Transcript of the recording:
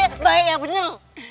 ya bener baik